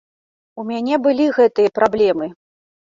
У мяне былі гэтыя праблемы.